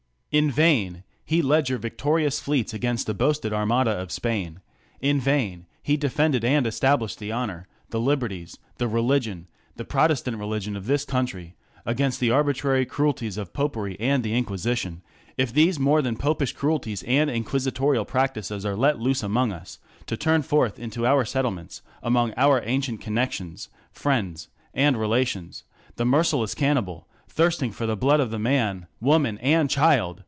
In vain he led your victorious fleets against the boasted armada of Spain ; in vain he defended and established the honor, the liberties, the religion, the protestant religion of this country, against the arbitrary cruelties of popery and the inquisition, if these more than popish cruelties and inquisitorial practices are let loose among us ; to tuTn forth into our settlements, among our ancient connex ions, friends, and relations, the merciless cannibal, thirsting for tlic blood of man, woman and child